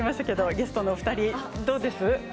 ゲストのお二人はどうですか。